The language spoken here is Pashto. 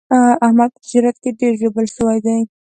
احمد په تجارت کې ډېر ژوبل شوی دی.